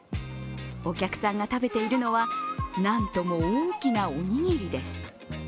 お客さんが食べているのはなんとも大きなおにぎりです。